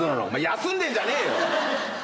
休んでんじゃねえよ。